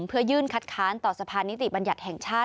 เพื่อยื่นคัดค้านต่อสะพานนิติบัญญัติแห่งชาติ